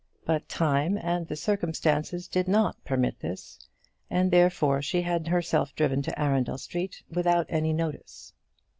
But time and the circumstances did not permit this, and therefore she had herself driven to Arundel Street without any notice.